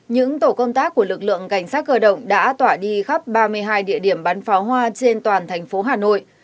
những tổ công tác của lực lượng cảnh sát cơ động đã tỏa đi khắp ba mươi hai địa điểm bắn pháo hoa trên toàn thành phố hà nội